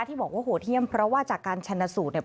ที่บอกว่าโหดเยี่ยมเพราะว่าจากการชนะสูตรเนี่ย